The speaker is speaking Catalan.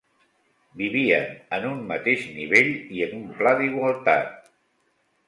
Vivien en un mateix nivell i en un pla d'igualtat